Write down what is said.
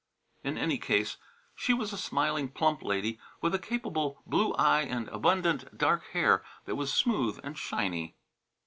In any case she was a smiling, plump lady with a capable blue eye and abundant dark hair that was smooth and shiny.